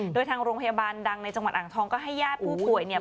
โดยทางโรงพยาบาลดังในจังหวัดอ่างทองก็ให้ญาติผู้ป่วยเนี่ย